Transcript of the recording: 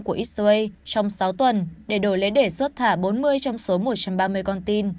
của israel trong sáu tuần để đổi lấy đề xuất thả bốn mươi trong số một trăm ba mươi con tin